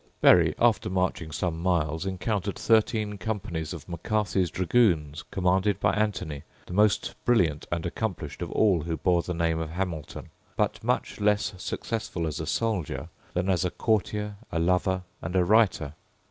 Berry, after marching some miles, encountered thirteen companies of Macarthy's dragoons commanded by Anthony, the most brilliant and accomplished of all who bore the name of Hamilton, but much less successful as a soldier than as a courtier, a lover, and a writer.